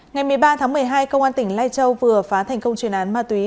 ngày một mươi ba tháng một mươi hai công an tỉnh lai châu vừa phá thành công chuyên án ma túy